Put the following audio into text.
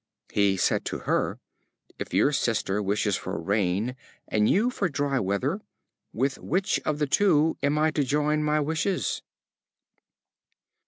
He said to her: "If your sister wishes for rain, and you for dry weather, with which of the two am I to join my wishes?"